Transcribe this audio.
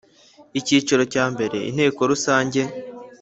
Icyiciro cya mbere Inteko Rusange